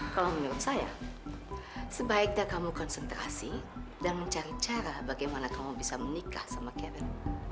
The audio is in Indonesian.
kalau menurut saya sebaiknya kamu konsentrasi dan mencari cara bagaimana kamu bisa menikah sama kevin